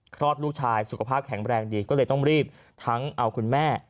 คลอดลูกชายสุขภาพแข็งแรงดีก็เลยต้องรีบทั้งเอาคุณแม่